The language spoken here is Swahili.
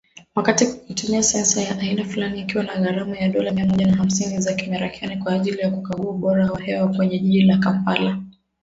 Wakati kikitumia sensa ya aina fulani, ikiwa na gharama ya dola mia moja na hamsini za kimerekani kwa ajili ya kukagua ubora wa hewa kwenye jiji la Kampala.